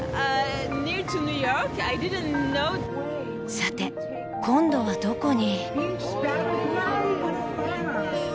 さて今度はどこに？